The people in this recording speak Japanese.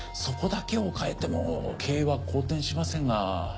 そこだけを変えても経営は好転しませんが。